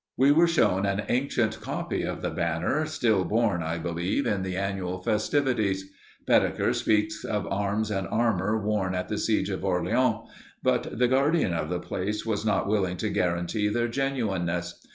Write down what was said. We were shown an ancient copy of the banner, still borne, I believe, in the annual festivities. Baedeker speaks of arms and armor worn at the siege of Orleans, but the guardian of the place was not willing to guarantee their genuineness.